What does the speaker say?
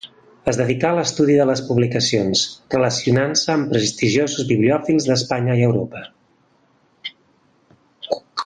Es dedicà a l’estudi de les publicacions, relacionant-se amb prestigiosos bibliòfils d’Espanya i Europa.